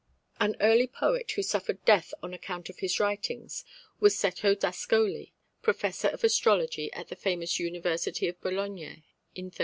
An early poet who suffered death on account of his writings was Cecco d'Ascoli, Professor of Astrology at the famous University of Bologna in 1322.